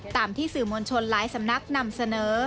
ตามที่สื่อมวลชนหลายสำนักนำเสนอ